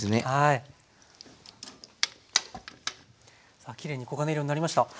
さあきれいに黄金色になりました。